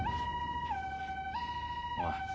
・おい